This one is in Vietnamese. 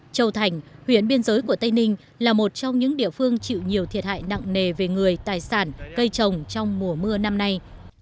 châu thành huyện biên giới của tây ninh là một trong những địa phương chịu nhiều thiệt hại nặng nề về người tài sản cây trồng trong mùa mưa năm nay